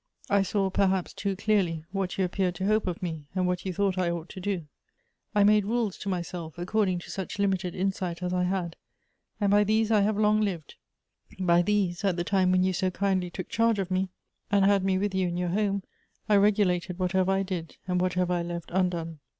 I saw, perhaps too clearly, what you appeared to hope of me, and what you thought I ought to do. I made rules to myself, according to such limited insight as I had, and by these I have long lived ; by these, at the time when you so kindly took charge of me, and had me with you in your home, I regulated whatever I did, and whatever I left undone.